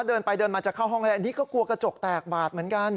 เดินไปเดินมาจะเข้าห้องแล้วอันนี้ก็กลัวกระจกแตกบาดเหมือนกัน